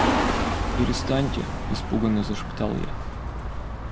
— Перестаньте, — испуганно зашептал я.